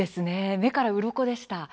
目からうろこでした。